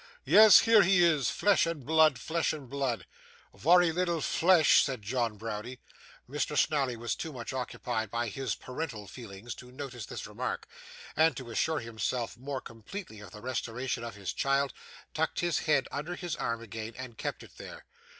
'Yes, here he is, flesh and blood, flesh and blood.' 'Vary little flesh,' said John Browdie. Mr. Snawley was too much occupied by his parental feelings to notice this remark; and, to assure himself more completely of the restoration of his child, tucked his head under his arm again, and kept it there.